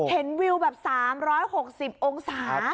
วิวแบบ๓๖๐องศา